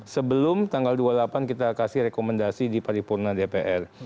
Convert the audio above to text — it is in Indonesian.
sebelum tanggal dua puluh delapan kita kasih rekomendasi di paripurna dpr